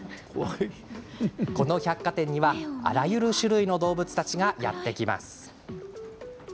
この百貨店には、あらゆる種類の動物たちがやって来ます。